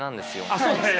あっそうですか。